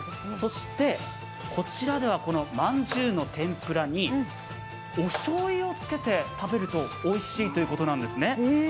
そして、こちらではまんじゅうの天ぷらにおしょうゆをつけて食べるとおいしいということなんですね。